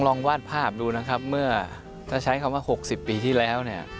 วาดภาพดูนะครับเมื่อถ้าใช้คำว่า๖๐ปีที่แล้วเนี่ย